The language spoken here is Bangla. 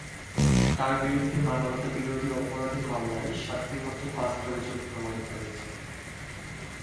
তাঁর বিরুদ্ধে মানবতাবিরোধী অপরাধের মামলায় সাতটির মধ্যে পাঁচটি অভিযোগ প্রমাণিত হয়েছে।